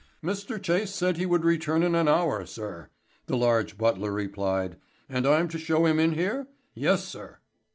"Mr. Chase said he would return in an hour, sir," the large butler replied. "And I'm to show him in here? Yes, Sir."